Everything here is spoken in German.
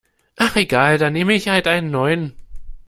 Ach egal, dann nehme ich halt einen neuen.